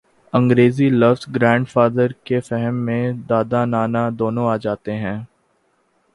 انگریزی لفظ grandfather کے فہم میں دادا، نانا دونوں آ جاتے ہیں۔